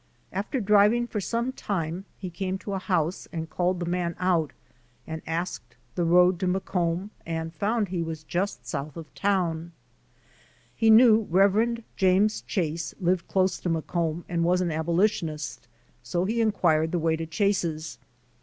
After driving for some time he came to a house and called the man out and asked the road to Macomb and found he was just out south of town. He knew Rev. James Chase lived close to Macomb and was an abolitionist, so he inquired the way to Chase's.